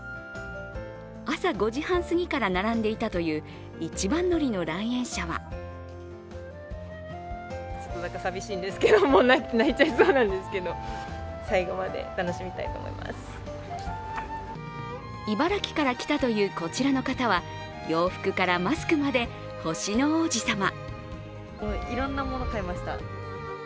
朝５時半すぎから並んでいたという一番乗りの来園者は茨城から来たというこちらの方は洋服からマスクまで「星の王子さま」。